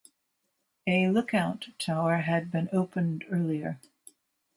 A lookout tower had been opened earlier.